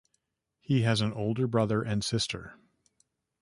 He has an older brother and sister.